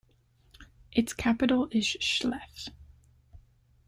Its capital is Chlef.